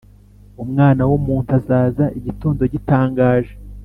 Umwana w’ umuntu azaza igitondo gitangaje,